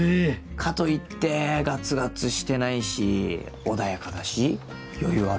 かといってガツガツしてないし穏やかだし余裕あるし。